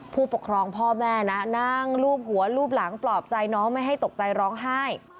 ผู้ปกครองพ่อแม่นะนั่งลูบหัวรูปหลังปลอบใจน้องไม่ให้ตกใจร้องไห้